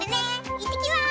いってきます！